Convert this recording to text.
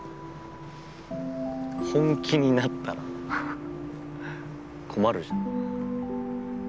本気になったら困るじゃん。